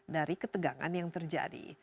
dari ketegangan yang terjadi